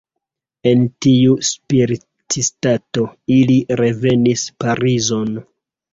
En tiu spiritstato ili revenis Parizon.